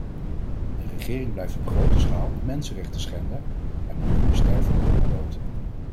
De regering blijft op grote schaal de mensenrechten schenden en miljoenen sterven de hongerdood.